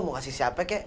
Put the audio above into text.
mau kasih siapa kek